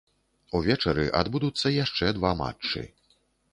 Увечары адбудуцца яшчэ два матчы.